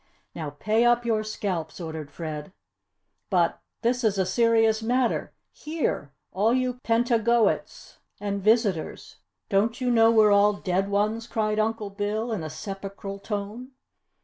"Now pay up your scalps!" ordered Fred. "But, this is a serious matter. Here! All you Pentagoets and visitors don't you know we're all dead ones!" cried Uncle Bill in a sepulchral tone.